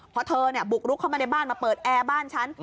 พอเธอบุกลุกเข้ามาในบ้านมาเปิดแอร์บ้านฉัน